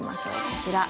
こちら。